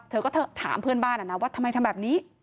เธอก็ถามเพื่อนบ้านอ่ะนะว่าทำไมทำแบบนี้